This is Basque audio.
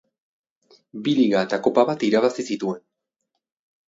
Bi liga eta kopa bat irabazi zituen.